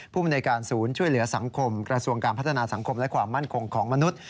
ภูมิในการศูนย์ช่วยเหลือสังคมกระทรวงการพัฒนาสังคมและความมั่นคงของมนุษย์